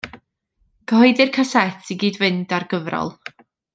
Cyhoeddir casét i gyd-fynd â'r gyfrol.